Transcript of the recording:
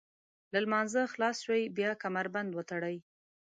له لمانځه خلاص شوئ بیا به کمربند وتړئ.